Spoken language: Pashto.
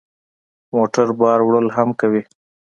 موټر بار وړل هم کوي.